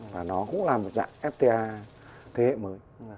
và nó cũng là một dạng fta thế hệ mới